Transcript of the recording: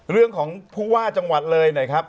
เรื่องของภูวาจังหวัดเลยนะครับ